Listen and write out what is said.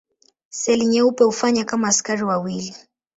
Seli nyeupe hufanya kama askari wa mwili.